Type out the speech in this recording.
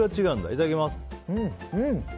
いただきます。